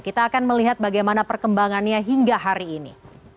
kita akan melihat bagaimana perkembangannya hingga hari ini